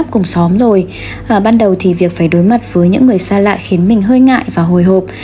và bắt đầu thì việc phải đối mặt với những người xa lạ khiến mình hơi ngại và hồi hộp